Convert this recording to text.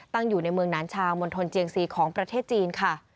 อยู่ในเมืองนานชาวมณฑลเจียงซีของประเทศจีนค่ะ